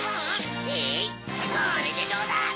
えいこれでどうだ！